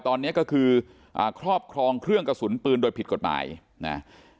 ตอนนี้ก็คือครอบครองเครื่องกระสุนปืนโดยผิดกฎหมายนะ